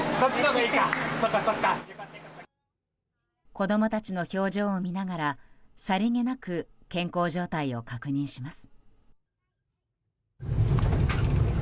子供たちの表情を見ながらさりげなく健康状態を確認します。